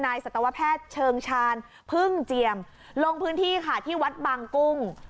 สัตวแพทย์เชิงชาญพึ่งเจียมลงพื้นที่ค่ะที่วัดบางกุ้ง